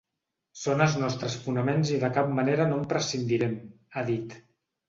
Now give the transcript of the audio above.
Són els nostres fonaments i de cap manera no en prescindirem, ha dit.